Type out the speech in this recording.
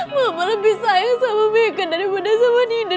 mama lebih sayang sama meka daripada sama dina